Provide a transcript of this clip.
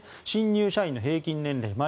新入社員の平均年齢